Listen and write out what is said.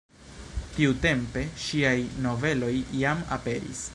Tiutempe ŝiaj noveloj jam aperis.